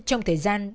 trong thời gian